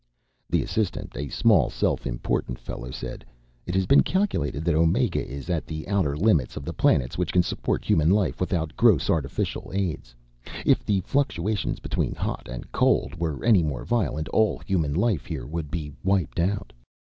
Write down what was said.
The assistant, a small, self important fellow, said, "It has been calculated that Omega is at the outer limits of the planets which can support human life without gross artificial aids. If the fluctuations between hot and cold were any more violent, all human life here would be wiped out."